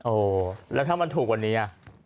โอ้แล้วถ้ามันถูกกว่านี้อ่ะ